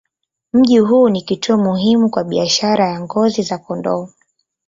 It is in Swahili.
Mji huu ni kituo muhimu kwa biashara ya ngozi za kondoo.